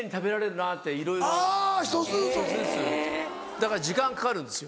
だから時間かかるんですよ。